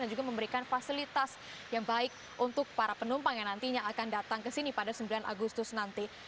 dan juga memberikan fasilitas yang baik untuk para penumpang yang nantinya akan datang ke sini pada sembilan agustus nanti